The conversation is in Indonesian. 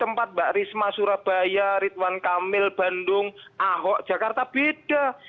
tempat mbak risma surabaya ridwan kamil bandung ahok jakarta beda